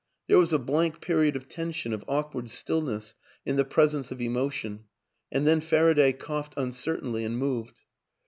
There was a blank period of tension, of awkward stillness in the presence of emotion, and then Faraday coughed uncertainly and moved.